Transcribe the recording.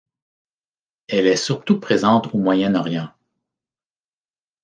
Elle est surtout présente au Moyen-Orient.